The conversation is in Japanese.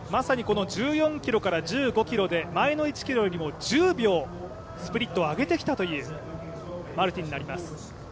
１４ｋｍから１５ｋｍで前の１ｋｍよりも、１０秒スプリットを上げてきたというマルティンになります。